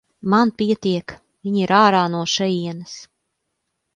Man pietiek, viņa ir ārā no šejienes.